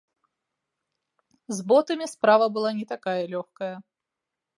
З ботамі справа была не такая лёгкая.